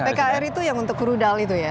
pkr itu yang untuk rudal itu ya